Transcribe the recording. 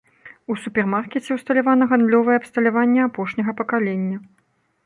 У супермаркеце ўсталявана гандлёвае абсталяванне апошняга пакалення.